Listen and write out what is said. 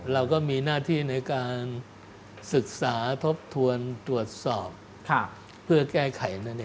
เราก็มีหน้าที่ในการศึกษาทบทวนตรวจสอบเพื่อแก้ไขนั่นเอง